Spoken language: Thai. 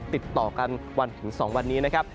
ติดต่อกันวันถึง๒วันนี้นะครับ